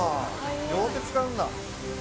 両手使うんだ。